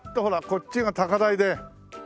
こっちが高台で。